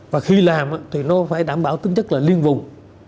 và khi làm thì nó phải đảm bảo tính chất là liên vùng